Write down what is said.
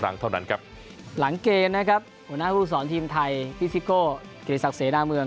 ครั้งเท่านั้นครับหลังนะคะแกนุกธุมตรวมเถลาเมย์